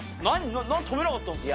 なんで止めなかったんですか？